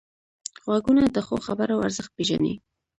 غوږونه د ښو خبرو ارزښت پېژني